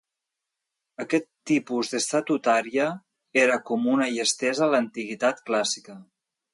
Aquest tipus d'estatuària era comuna i estesa a l'antiguitat clàssica.